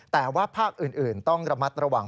แต่ว่าภาคอื่นต้องระมัดระวัง